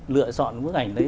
lựa chọn bức ảnh đấy